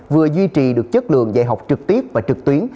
vừa duy trì được chất lượng dạy học trực tiếp và trực tuyến